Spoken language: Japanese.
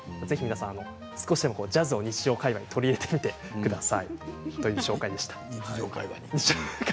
ぜひ皆さん、ジャズを日常会話に取り入れてくださいという紹介でした。